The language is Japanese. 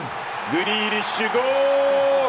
グリーリッシュ、ゴール。